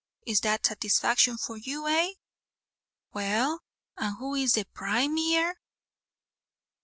Is that satisfaction for you, eh?" "Well, and who is the Prime Ear?"